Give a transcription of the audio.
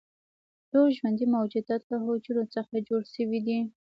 ټول ژوندي موجودات له حجرو څخه جوړ شوي دي